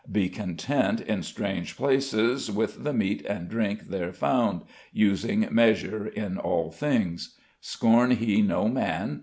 Be he content in strange places with the meat and drink there found, using measure in all things.... Scorn he no man....